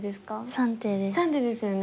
３手ですよね。